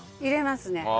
入れますね。